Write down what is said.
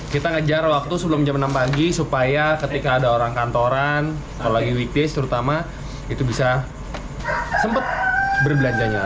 kita ngejar waktu sebelum jam enam pagi supaya ketika ada orang kantoran kalau lagi weekdays terutama itu bisa sempat berbelanjanya